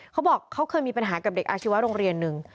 เขาบอกเขาเคยมีปัญหากับเด็กอาชีวะโรงเรียนหนึ่ง